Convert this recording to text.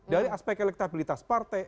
dari aspek elektabilitas partai